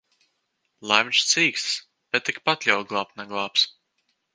Lai viņš cīkstas! Bet tikpat jau glābt neglābs.